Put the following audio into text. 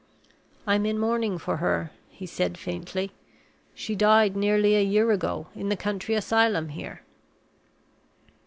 "I'm in mourning for her," he said, faintly. "She died nearly a year ago, in the county asylum here."